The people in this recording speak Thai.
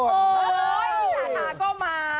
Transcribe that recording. โอ๊ยสาธารณ์ก็มา